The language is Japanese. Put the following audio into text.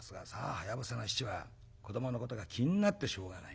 はやぶさの七は子どものことが気になってしょうがない。